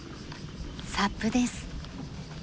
サップです。